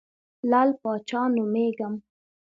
لعل پاچا نومېږم.